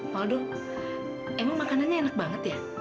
waldo emang makanannya enak banget ya